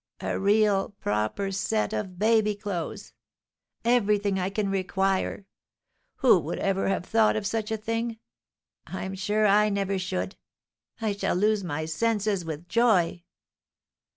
A real, proper set of baby clothes! Everything I can require! Who would ever have thought of such a thing? I am sure I never should. I shall lose my senses with joy!